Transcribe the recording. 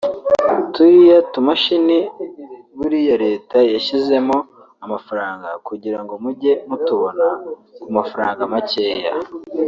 turiya tumashini buriya Leta yashyizemo amafaranga kugira ngo mujye mutubona ku mafaranga makeya